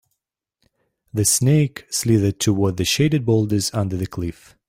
The snake slithered toward the shaded boulders under the cliff.